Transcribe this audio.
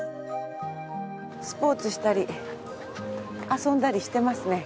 スポーツしたり遊んだりしてますね。